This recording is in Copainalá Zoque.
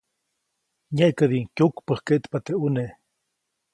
Nyeʼkädiʼuŋ kyukpäjkkeʼtpa teʼ ʼuneʼ.